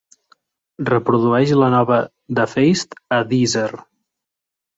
reprodueix la nova de Feist a deezer